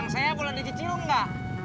argent saya boleh diji cihuman nggak